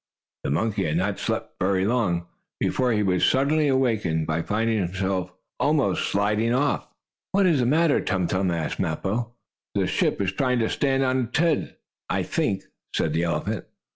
The monkey had not slept very long, before he was suddenly awakened, by finding himself almost sliding off. "What is the matter, Tum Tum?" asked Mappo. "The ship is trying to stand on its head, I think," said the elephant.